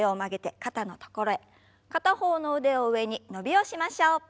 片方の腕を上に伸びをしましょう。